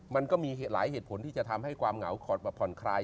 มันก็มีหลายเหตุผลที่จะทำให้ความเหงาขอดผ่อนคลาย